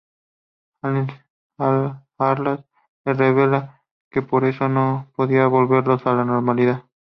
Harlan les revela que por eso no podía volverlos a la normalidad.